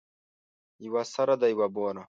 یوه سره ده یوه بوره.